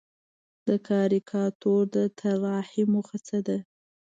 د کاریکاتور د طراحۍ موخه څه ده؟